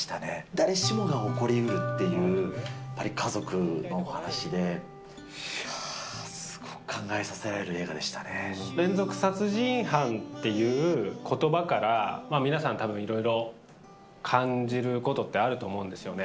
誰しもが起こりうるっていう家族の話で、いやー、すごく考えさせ連続殺人犯っていうことばから、皆さん、たぶんいろいろ感じることってあると思うんですよね。